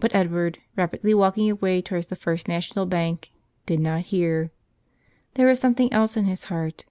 But Edward, rapidly walking away towards the First National Bank, did not hear. There was some¬ thing else in his heart.